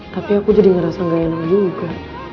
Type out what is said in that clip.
tapi aku jadi ngerasa gak enak juga